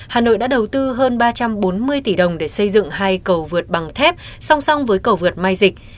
hà nội đã đầu tư hơn ba trăm bốn mươi tỷ đồng để xây dựng hai cầu vượt bằng thép song song với cầu vượt mai dịch